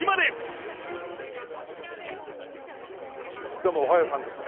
どうもおはようさんです。